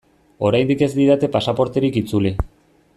Oraindik ez didate pasaporterik itzuli.